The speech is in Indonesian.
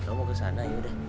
kamu ke sana yaudah